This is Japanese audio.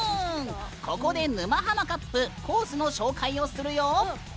ここで「沼ハマカップ」コースの紹介をするよ。